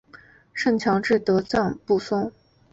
圣乔治德吕藏松。